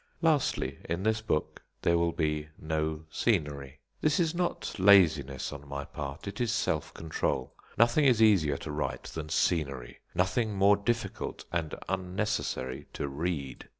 Lastly, in this book there will be no scenery. This is not laziness on my part; it is self control. Nothing is easier to write than scenery; nothing more difficult and unnecessary to read.